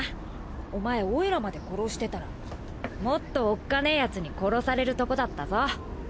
お前オイラまで殺してたらもっとおっかねえヤツに殺されるとこだったぞ。